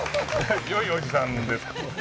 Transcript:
よいおじさんですか。